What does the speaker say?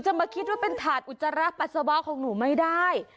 ถาดทรัพย์ปัชสะบาสของหนูไม่ได้